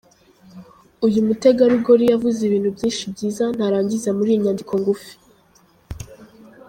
Uyu mutegarugori yavuze ibintu byinshi byiza ntarangiza muri iyi nyandiko ngufi.